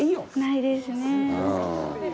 ないですね。